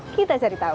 kita cari tahu